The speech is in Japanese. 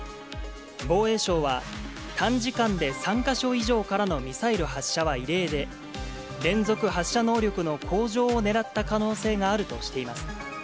防衛省は、短時間で３か所以上からのミサイル発射は異例で、連続発射能力の向上をねらった可能性があるとしています。